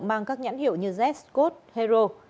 mang các nhãn hiệu như z code hero